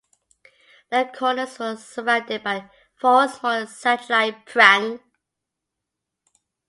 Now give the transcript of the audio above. The corners are surrounded by four smaller satellite "prang".